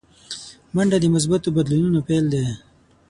منډه د مثبتو بدلونونو پیل دی